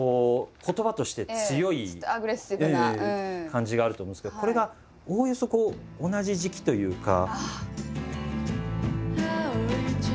感じがあると思うんですけどこれがおおよそ同じ時期というか。